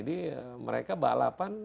jadi mereka balapan